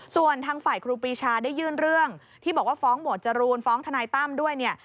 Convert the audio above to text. ส่วนทางฝ่ายครูปีชาได้ยื่นเรื่องที่บอกว่าฟ้องหมวดจรูนฟ้องทนายตั้มด้วยเนี่ย